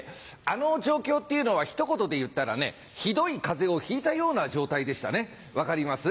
あの状況っていうのはひと言で言ったらねひどい風邪をひいたような状態でしたね分かります？